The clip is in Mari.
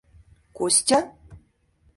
Костя?